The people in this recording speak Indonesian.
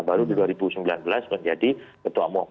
baru di dua ribu sembilan belas menjadi ketua umum